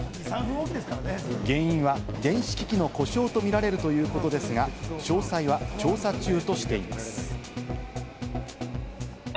原因は電子機器の故障と見られるということですが、詳細は調査中としています。